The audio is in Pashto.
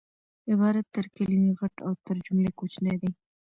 عبارت تر کلیمې غټ او تر جملې کوچنی دئ